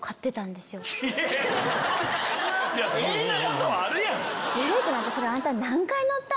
そんなことはあるやん！